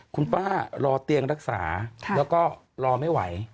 คุณป้ารอเตียงรักษาแล้วก็รอไม่ไหว